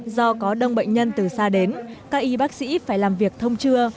do có đông bệnh nhân từ xa đến các y bác sĩ phải làm việc thông trưa